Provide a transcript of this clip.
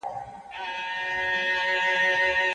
ایا کتابتون څېړنه اسانه ده؟